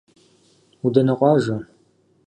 Удэнэ къуажэ?